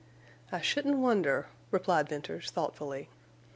"I shouldn't wonder," replied Venters, thoughtfully.